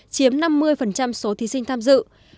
chiếm năm mươi số thí sinh tham dự